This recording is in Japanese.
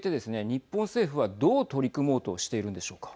日本政府は、どう取り組もうとしているんでしょうか。